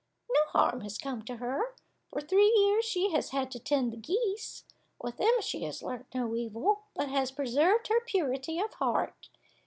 No harm has come to her; for three years she has had to tend the geese; with them she has learnt no evil, but has preserved her purity of heart.